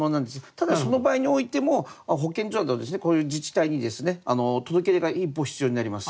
ただその場合においても保健所などこういう自治体に届け出が一本必要になります。